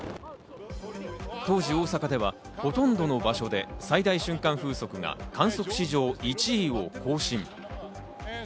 当時、大阪ではほとんどの場所で最大瞬間風速が観測史上１位を更新。